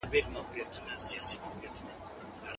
یوازې فکر او سړه سینه غواړي.